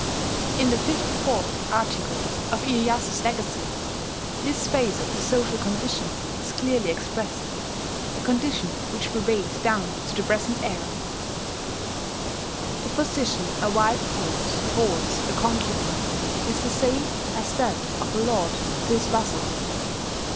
In the 54th article of Iyeyasu's legacy, this phase of the social condition is clearly expressed, a condition which prevailed down to the present era: "The position a wife holds towards a concubine is the same as that of a lord to his vassal.